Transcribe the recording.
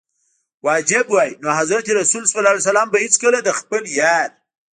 واجب وای نو حضرت رسول ص به هیڅکله د خپل یار.